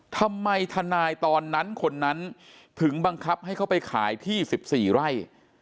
ทำไมทนายตอนนั้นคนนั้นถึงบังคับให้เขาไปขายที่๑๔ไร่